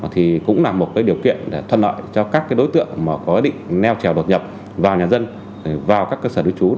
thì cũng là một điều kiện thuận nợ cho các đối tượng có ý định neo trèo đột nhập vào nhà dân vào các cơ sở đối chú